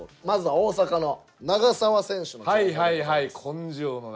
まずは大阪の長澤選手の情報。